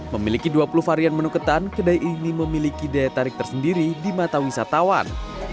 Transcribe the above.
memiliki dua puluh varian menu ketan kedai ini memiliki daya tarik tersendiri di mata wisatawan